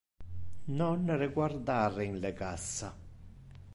Non reguardar in le cassa.